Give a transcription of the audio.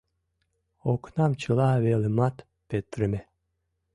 Окнам чыла велымат петырыме.